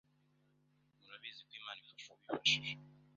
murabizi ko Imana ifasha uwifashije.